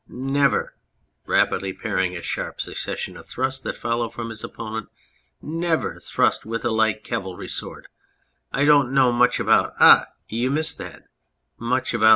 Never ... (rapidly parrying a sharp succession of thrusts that follow from his opponent) never ... thrust ... with a light cavalry sword. ... I don't know much about (Ah, you missed that !) much about